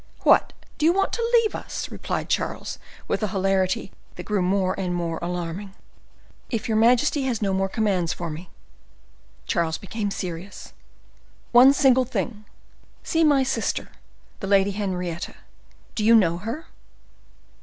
What, do you want to leave us?" replied Charles, with a hilarity that grew more and more alarming. "If your majesty has no more commands for me." Charles became more serious. "One single thing. See my sister, the Lady Henrietta. Do you know her?"